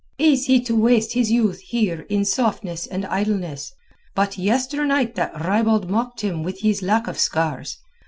"Is he to waste his youth here in softness and idleness? But yesternight that ribald mocked him with his lack of scars.